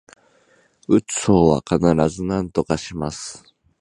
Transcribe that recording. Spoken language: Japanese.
打つ方は必ずなんとかします